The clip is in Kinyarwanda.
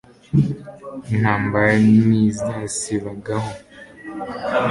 intambara ntizasibagaho